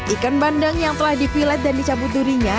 ikan bandeng yang telah divilat dan dicabut durinya